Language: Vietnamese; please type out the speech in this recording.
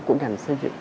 của ngành xây dựng